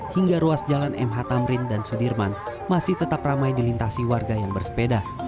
hingga ruas jalan mh tamrin dan sudirman masih tetap ramai dilintasi warga yang bersepeda